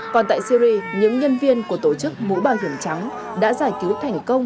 còn tại syri những nhân viên của tổ chức mũ bảo hiểm trắng đã giải cứu thành công